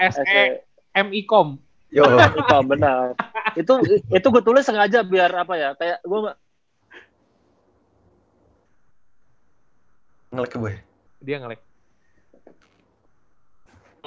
smi com yo benar itu itu gue tulis sengaja biar apa ya kayak gua